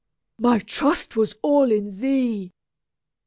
My trust was all in thee!